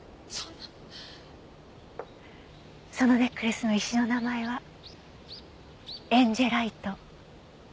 そのネックレスの石の名前はエンジェライト。